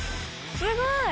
すごい。